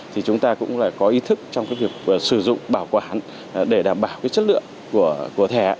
thì chúng ta cũng phải có ý thức trong cái việc sử dụng bảo quản để đảm bảo cái chất lượng của thẻ